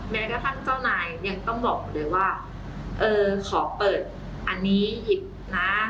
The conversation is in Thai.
แม้กระทั่งเจ้านายยังต้องบอกหมดเลยว่าเออขอเปิดอันนี้หยิบนะ